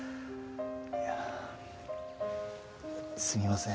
いやあすみません。